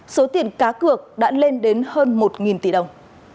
số tiền cá cược đã lên đến hơn một tỷ đồng